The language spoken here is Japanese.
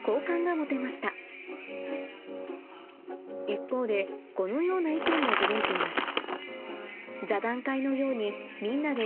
一方でこのような意見も届いています